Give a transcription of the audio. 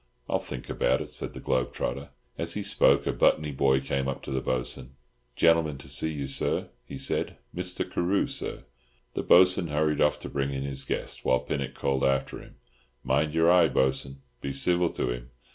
"I'll think about it," said the globe trotter. As he spoke a buttony boy came up to the Bo'sun. "Gentleman to see you, sir," he said. "Mr. Carew, sir." The Bo'sun hurried off to bring in his guest, while Pinnock called after him—"Mind your eye, Bo'sun. Be civil to him.